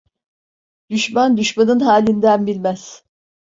Düşman, düşmanın halinden bilmez.